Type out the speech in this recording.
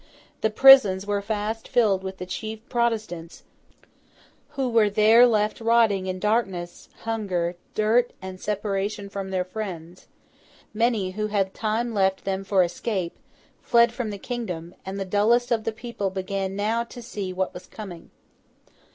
The prisons were fast filled with the chief Protestants, who were there left rotting in darkness, hunger, dirt, and separation from their friends; many, who had time left them for escape, fled from the kingdom; and the dullest of the people began, now, to see what was coming.